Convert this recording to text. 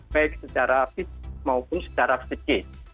baik secara fisik maupun secara psikis